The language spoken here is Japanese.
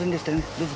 どうぞ。